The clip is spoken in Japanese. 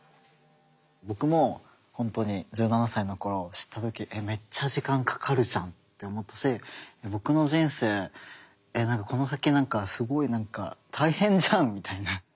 僕も本当に１７歳の頃知った時えっめっちゃ時間かかるじゃんって思ったし僕の人生えっこの先何かすごい何か大変じゃんみたいな。